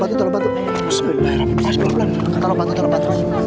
bu esa di tenagaan bu